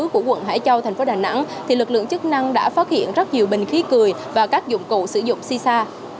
tổ liên ngành công an quận hải châu thành phố đà nẵng lực lượng chức năng đã phát hiện rất nhiều bình khí cười và các dụng cụ sử dụng si sa